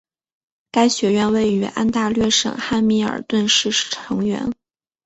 该学院位于安大略省汉密尔顿市成员。